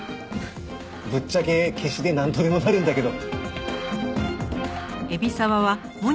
ぶっちゃけ消しでなんとでもなるんだけど。